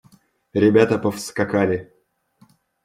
Ребята повскакали.